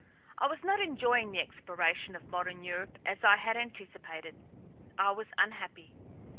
I was not enjoying the exploration of modern Europe as I had anticipated—I was unhappy.